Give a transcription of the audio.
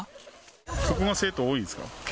ここが生徒、多いんですか？